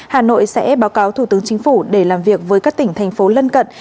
hà nội sẽ báo cáo thủ tướng chính phủ để làm việc với các tỉnh thành phố lân cận